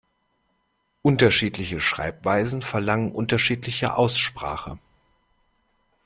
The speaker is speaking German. Unterschiedliche Schreibweisen verlangen unterschiedliche Aussprache.